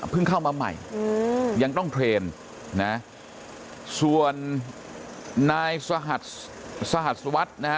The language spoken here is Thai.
เข้ามาใหม่ยังต้องเทรนด์นะส่วนนายสหัสวัสดิ์นะฮะ